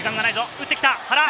打ってきた、原！